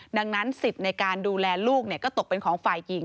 ดังนั้นสิทธิ์ในการดูแลลูกก็ตกเป็นของฝ่ายหญิง